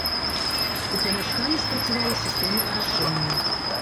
У памяшканні спрацавала сістэма арашэння.